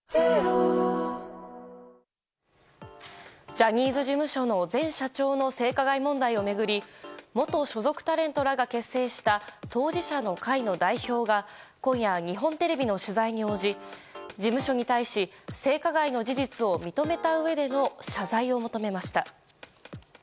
ジャニーズ事務所の前社長の性加害問題を巡り元所属タレントらが結成した当事者の会の代表が今夜、日本テレビの取材に応じ事務所に対し性加害の事実を認めたうえでの謝罪を求めました。